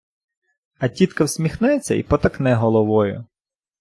А тітка всміхнеться й потакне головою.